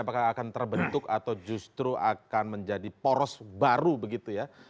apakah akan terbentuk atau justru akan menjadi poros baru begitu ya